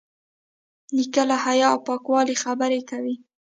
نیکه له حیا او پاکوالي خبرې کوي.